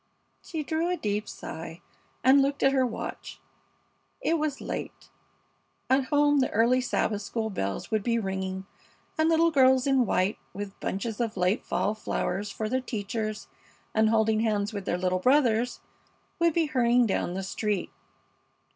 She drew a deep sigh and looked at her watch. It was late. At home the early Sabbath school bells would be ringing, and little girls in white, with bunches of late fall flowers for their teachers, and holding hands with their little brothers, would be hurrying down the street.